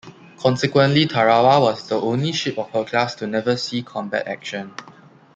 Consequently, "Tarawa" was the only ship of her class to never see combat action.